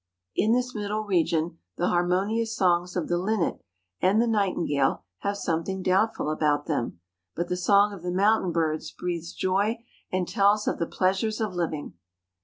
In this middle region the harmonious songs of the linnet and the nightingale have something doubtful about them ; but the song of the mountain birds breathes joy and tells of the pleasures of living.